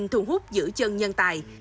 thu hút giữ chân nhân tài